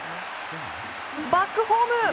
バックホーム！